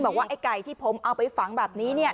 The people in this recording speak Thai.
ไอ้ไก่ที่ผมเอาไปฝังแบบนี้เนี่ย